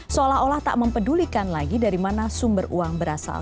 seolah olah tak mempedulikan lagi dari mana sumber uang berasal